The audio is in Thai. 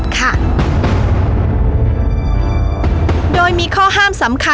ครับครับ